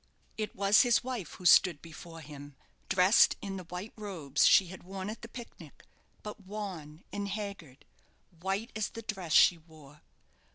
It was his wife who stood before him, dressed in the white robes she had worn at the picnic; but wan and haggard, white as the dress she wore.